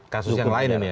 kasus yang lain ini ya